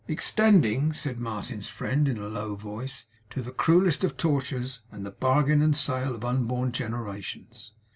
'Extending,' said Martin's friend, in a low voice, 'to the cruellest of tortures, and the bargain and sale of unborn generations.